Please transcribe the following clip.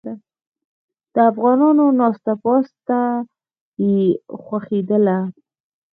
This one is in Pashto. د افغانانو ناسته پاسته یې خوښیدله.